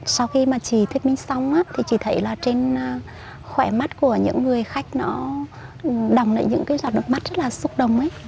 sau khi mà chị thuyệt minh xong á thì chị thấy là trên khỏe mắt của những người khách nó đồng lại những giọt nước mắt rất là xúc động ấy